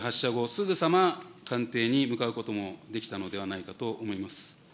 すぐさま官邸に向かうこともできたのではないかと思います。